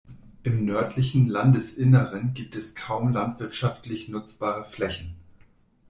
Im nördlichen Landesinneren gibt es kaum landwirtschaftlich nutzbare Flächen.